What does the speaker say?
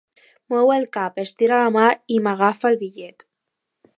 Mou el cap, estira la mà i m'agafa el bitllet.